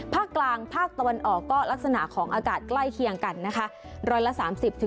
ภาคกลางภาคตะวันออกก็ลักษณะของอากาศใกล้เคียงกันนะคะ